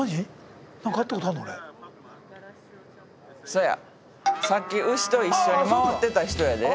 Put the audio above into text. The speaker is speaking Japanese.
そやさっき牛と一緒に回ってた人やで。